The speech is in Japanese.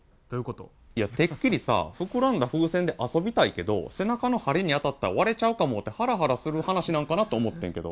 てっきり膨らんだ風船で遊びたいけど背中のハリに当たったら割れちゃうかもって、ハラハラする話なのかなと思ったんだけど。